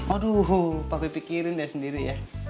aduh papi pikirin deh sendiri ya